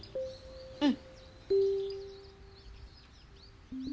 うん。